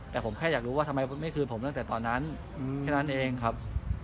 แต่ผมแค่อยากรู้ว่าทำไมไม่คืนผมตั้งแต่ตอนนั้นแค่นั้นเองครับ